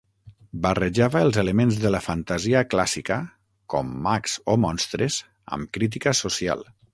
Barrejava els elements de la fantasia clàssica, com mags o monstres, amb crítica social.